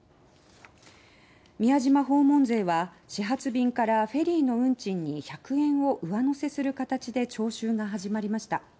「宮島訪問税」は始発便からフェリーの運賃に１００円を上乗せする形で徴収が始まりました。